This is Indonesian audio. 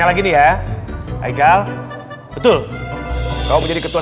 wajahnya gak kelihatan